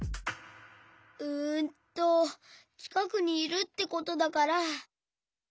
うんとちかくにいるってことだから。